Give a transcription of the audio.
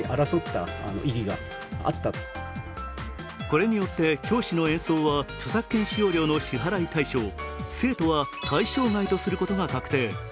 これによって教師の演奏は著作権使用料の支払い対象、生徒は対象外とすることが確定。